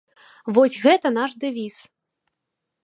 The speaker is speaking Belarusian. Вось гэта наш дэвіз.